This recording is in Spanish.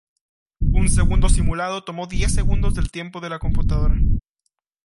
Un segundo simulado tomó diez segundos del tiempo de la computadora.